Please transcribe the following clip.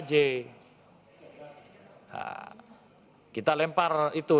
nah kita lempar itu